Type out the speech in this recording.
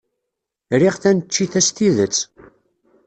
Riɣ taneččit-a s tidet.